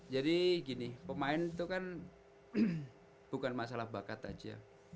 jadi gini pemain itu kan bukan masalah bakat aja